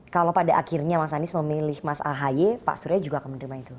kalau pada akhirnya mas anies memilih mas ahy pak surya juga akan menerima itu